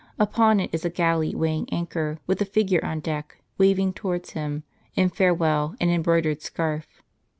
Upon it is a galley weighing anchor, with a figure on deck, waving towards him, in farewell, an embroidered scarf.